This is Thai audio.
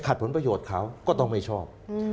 ผลประโยชน์เขาก็ต้องไม่ชอบ